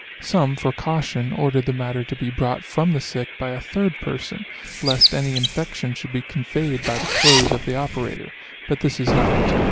Some, for caution, order the matter to be brought from the sick by a 3d person, lest any infection should be conveyed by the clothes of the operator; but this is not material.